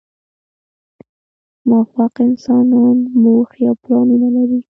موفق انسانان موخې او پلانونه لري.